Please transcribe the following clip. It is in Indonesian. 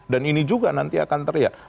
dan ini juga nanti akan terlihat